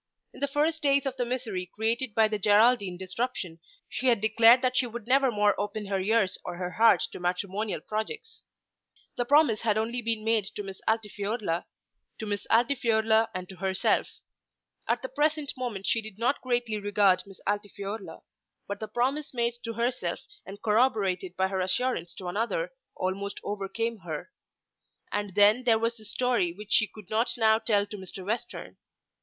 In the first days of the misery created by the Geraldine disruption she had declared that she would never more open her ears or her heart to matrimonial projects. The promise had only been made to Miss Altifiorla, to Miss Altifiorla and to herself. At the present moment she did not greatly regard Miss Altifiorla; but the promise made to herself and corroborated by her assurance to another, almost overcame her. And then there was that story which she could not now tell to Mr. Western.